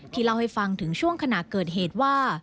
เล่าให้ฟังถึงช่วงขณะเกิดเหตุว่า